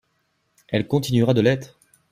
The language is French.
Elle continuera de l’être.